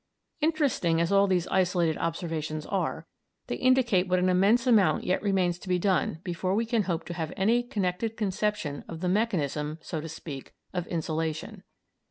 Interesting as all these isolated observations are, they indicate what an immense amount yet remains to be done before we can hope to have any connected conception of the mechanism, so to speak, of insolation.